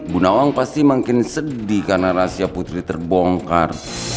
bu nawang pasti makin sedih karena rahasia putri terbongkar